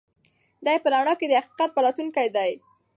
دی په رڼا کې د حقیقت پلټونکی دی.